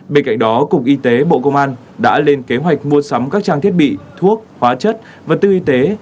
bên cạnh đó cục y tế bộ công an đã lên kế hoạch mua sắm các trang thiết bị thuốc hóa chất vật tư y tế